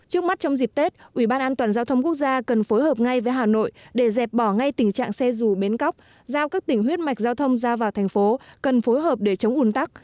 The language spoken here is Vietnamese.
trước mắt trong dịp tết ủy ban an toàn giao thông quốc gia cần phối hợp ngay với hà nội để dẹp bỏ ngay tình trạng xe dù bến cóc giao các tỉnh huyết mạch giao thông ra vào thành phố cần phối hợp để chống ủn tắc